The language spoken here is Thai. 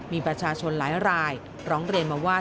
มีประชาชนหลายรายร้องเรียนมาว่า